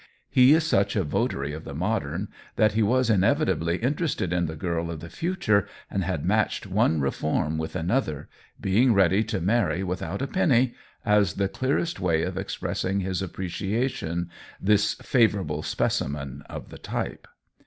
He is such a votary of the modern that he was inevitably interested in the girl of the future and had matched one reform with another, being ready to marry without a penny, as the clearest way of expressing his appreciation, this favorable specimen of the type.